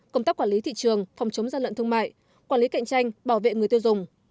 công tác quản lý thị trường phòng chống gian lận thương mại quản lý cạnh tranh bảo vệ người tiêu dùng